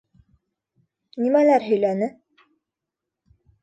Нимәләр һөйләне?!